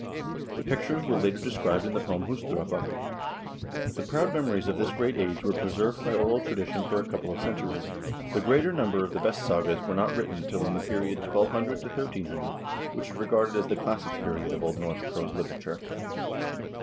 The pictures were later described in the poem "Husdrapa." The proud memories of this great age were preserved by oral tradition for a couple of cen turies; the greater number of the best sagas were not written till in the period 1200 1300, which is regarded as the classic period of Old Norse prose literature.